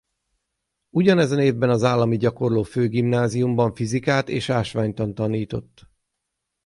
Ugyanezen évben az állami gyakorló főgimnáziumban fizikát és ásványtant tanított.